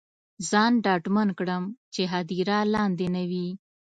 ځان ډاډمن کړم چې هدیره لاندې نه وي.